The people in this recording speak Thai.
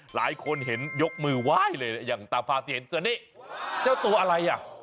หลายคนเห็นยกมือไหว้เลยอย่างตามภาพที่เห็นส่วนนี้เจ้าตัวอะไรอ่ะ